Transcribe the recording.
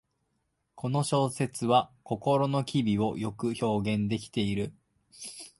この小説は心の機微をよく表現できている